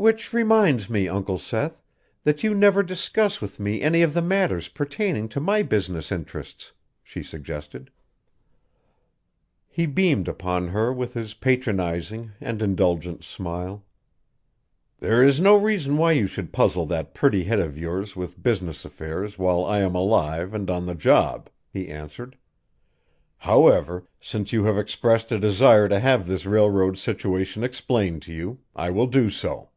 "Which reminds me, Uncle Seth, that you never discuss with me any of the matters pertaining to my business interests," she suggested. He beamed upon her with his patronizing and indulgent smile. "There is no reason why you should puzzle that pretty head of yours with business affairs while I am alive and on the job," he answered. "However, since you have expressed a desire to have this railroad situation explained to you, I will do so.